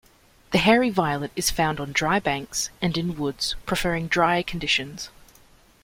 The hairy violet is found on dry banks, and in woods, preferring drier conditions.